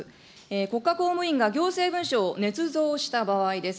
国家公務員が行政文書をねつ造した場合です。